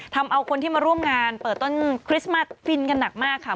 ทำเอาคนที่มาร่วมงานเปิดต้นคริสต์มัสฟินกันหนักมากค่ะ